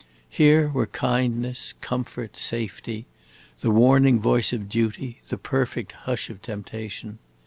Here were kindness, comfort, safety, the warning voice of duty, the perfect hush of temptation.